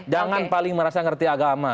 jangan paling merasa ngerti agama